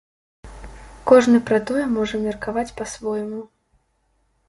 Кожны пра тое можа меркаваць па-свойму.